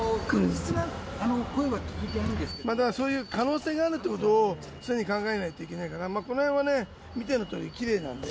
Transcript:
まだね、まだそういう可能性があるということを、常に考えないといけないから、このへんはね、見てのとおり、きれいなんで。